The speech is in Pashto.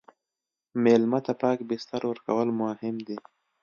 مېلمه ته پاک بستر ورکول مهم دي.